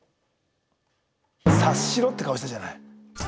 察しろって顔したじゃない。